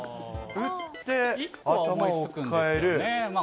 打って、頭を抱える。